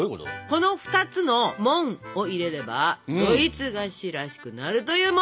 この２つの「モン」を入れればドイツ菓子らしくなるというモン。